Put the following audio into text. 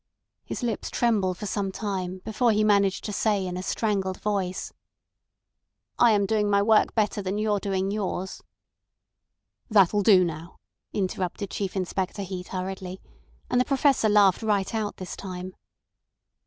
His lips trembled for some time before he managed to say in a strangled voice: "I am doing my work better than you're doing yours." "That'll do now," interrupted Chief Inspector Heat hurriedly; and the Professor laughed right out this time.